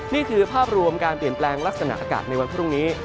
นี่คือภาพรวมการเปลี่ยนแปลงลักษณะอากาศในวันพรุ่งนี้